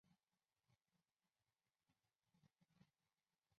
光果细苞虫实为藜科虫实属下的一个变种。